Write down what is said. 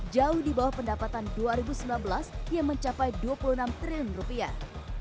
jauh di bawah pendapatan dua ribu sembilan belas yang mencapai dua puluh enam triliun rupiah